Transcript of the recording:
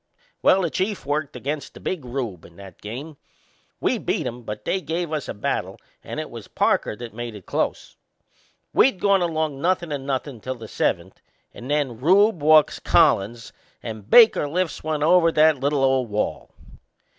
Well, the Chief worked against the Big Rube in that game. We beat 'em, but they give us a battle and it was Parker that made it close. We'd gone along nothin' and nothin' till the seventh, and then Rube walks Collins and Baker lifts one over that little old wall.